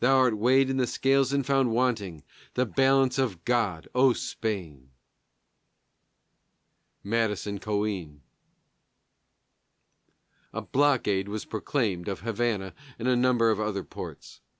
Thou art weighed in the scales and found wanting, the balance of God, O Spain! MADISON CAWEIN. A blockade was proclaimed of Havana and a number of other ports.